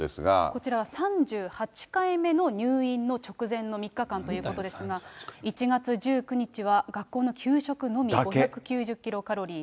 こちらは３８回目の入院の直前の３日間ということですが、１月１９日は学校の給食のみ５９０キロカロリー。